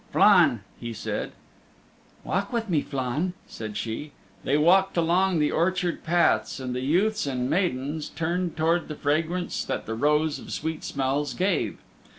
"Flann," he said. "Walk with me, Flann," said she. They walked along the orchard paths, and the youths and maidens turned towards the fragrance that the Rose of Sweet Smells gave.